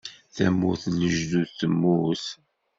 Tamurt n lejdud temmut?